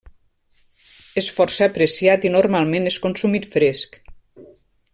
És força apreciat i, normalment, és consumit fresc.